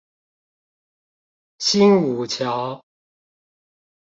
新武橋